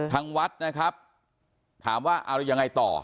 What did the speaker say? ทางวัดนะครับถามว่าเอายังไงต่อ